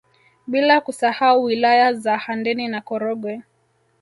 Bila kusahau wilaya za Handeni na Korogwe